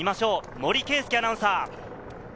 森圭介アナウンサー。